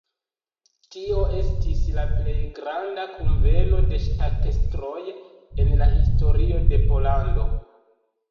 Tio estis la plej granda kunveno de ŝtatestroj en la historio de Pollando.